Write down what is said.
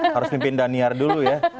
harus mimpin daniar dulu ya